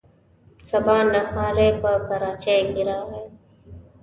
سبا نهاری په کراچۍ کې راغی.